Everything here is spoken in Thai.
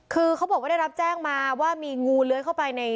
คือเขาบอกว่าได้รับแจ้งมาว่ามีงูเลื้อยเข้าไปใน